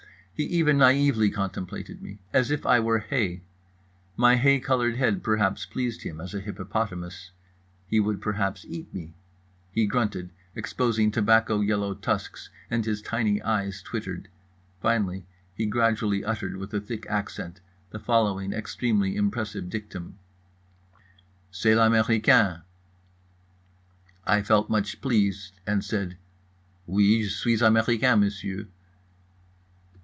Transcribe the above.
He even naively contemplated me. As if I were hay. My hay coloured head perhaps pleased him, as a hippopotamus. He would perhaps eat me. He grunted, exposing tobacco yellow tusks, and his tiny eyes twittered. Finally he gradually uttered, with a thick accent, the following extremely impressive dictum: "C'est l'américain." I felt much pleased, and said "_Oui, j'suis américain, Monsieur.